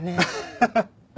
ハハハッ！